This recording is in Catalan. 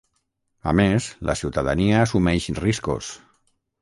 A més, la ciutadania assumeix riscos.